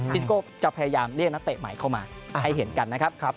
ซิสโก้จะพยายามเรียกนักเตะใหม่เข้ามาให้เห็นกันนะครับ